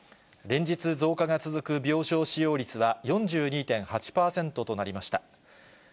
連日増加が続く病床使用率は４２．８％となりました。